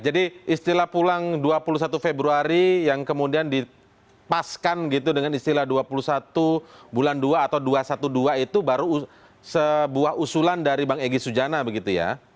jadi istilah pulang dua puluh satu februari yang kemudian dipaskan gitu dengan istilah dua puluh satu bulan dua atau dua ratus dua belas itu baru sebuah usulan dari bang egy sujana begitu ya